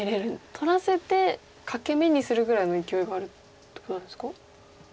取らせて欠け眼にするぐらいのいきおいがあるっていうことなんですか？